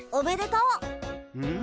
うん？